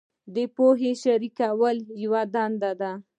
د پوهې شریکول یوه دنده ده.